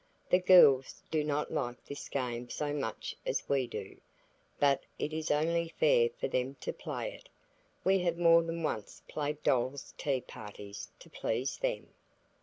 The girls do not like this game so much as we do. But it is only fair for them to play it. We have more than once played doll's tea parties to please them.